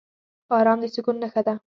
ارام د سکون نښه ده.